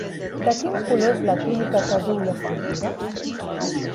De quin color és la túnica que du l'escultura?